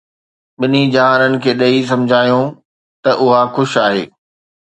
ٻنهي جهانن کي ڏئي، سمجهيائون ته اها خوش آهي